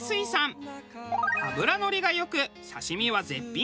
脂乗りが良く刺し身は絶品。